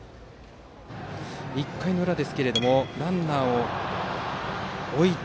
１回の裏、ランナーを置いて。